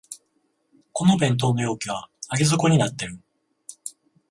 この弁当の容器は上げ底になってる